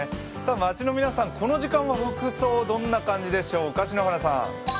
街の皆さん、この時間は服装どんな感じでしょうか。